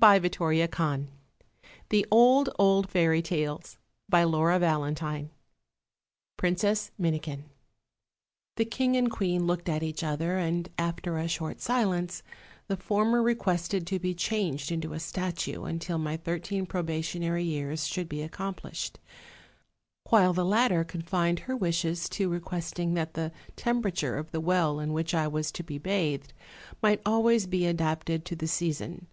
For yourselves, express but your wishes, and they shall be gratified." "The king and queen looked at each other, and, after a short silence, the former requested to be changed into a statue until my thirteen probationary years should be accomplished; while the latter eon Sued her wishes to re questing that the temperature of the well in which I was to be bathed might always be adapted to the season.